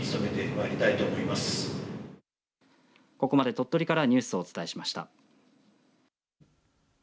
ここまで鳥取からニュースをお伝えしました。